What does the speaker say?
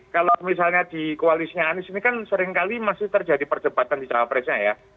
kalau misalnya di koalisinya anis ini kan seringkali masih terjadi percepatan di cawa presnya ya